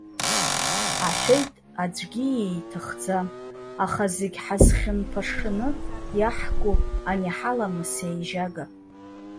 Аҳәеит, аӡәгьы ииҭахӡам, аха зегь ҳазхьынԥашаны иаҳку ани ҳаламыс еижьага.